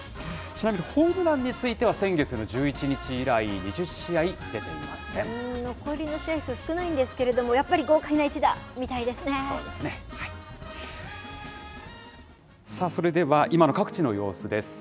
ちなみに、ホームランについては、先月の１１日以来、２０試合出て残りの試合数、少ないんですけれども、やっぱり豪快な一打、見たいですね。